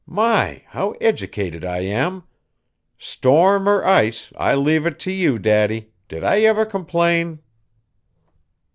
My! how educated I am! Storm or ice, I leave it to you, Daddy, did I ever complain?"